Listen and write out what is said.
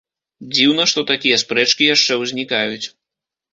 Дзіўна, што такія спрэчкі яшчэ ўзнікаюць.